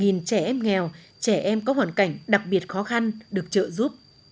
hàng nghìn trẻ em nghèo trẻ em có hoàn cảnh đặc biệt khó khăn được trợ giúp